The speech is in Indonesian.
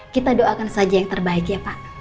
kita doakan saja yang terbaik ya pak